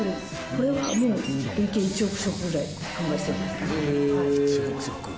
これはもう累計１億食ぐらい販売してますね。